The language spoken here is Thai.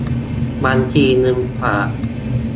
บัญชีเงินฝาก